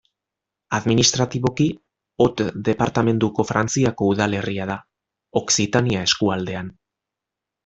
Administratiboki Aude departamenduko Frantziako udalerria da, Okzitania eskualdean.